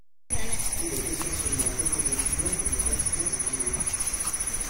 Il est essentiellement composé d'immeubles et de bâtiments de bureaux.